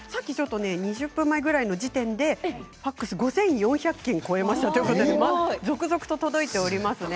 ２０分前ぐらいの時点でファックスは５４００件を超えましたということで続々と届いています。